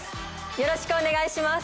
よろしくお願いします